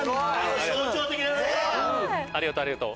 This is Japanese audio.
ありがとうありがとう。